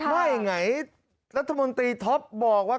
ไม่ไงรัฐมนตรีท็อปบอกว่า